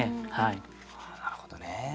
なるほどね。